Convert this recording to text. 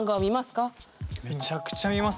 めちゃくちゃ見ますよ！